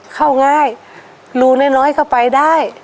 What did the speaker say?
เข้าง่ายรูน้อยเข้าไปได้